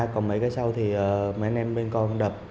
còn mấy cái sau thì mấy anh em bên con không đập